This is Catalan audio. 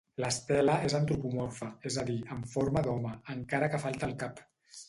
L'estela és antropomorfa, és a dir, en forma d'home, encara que falta el cap.